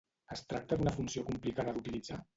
Es tracta d'una funció complicada d'utilitzar?